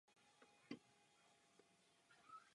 Teprve potom nebudou výsledky referend přinášet překvapení.